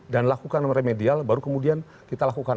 dan lakukan remedial baru kemudian kita lakukan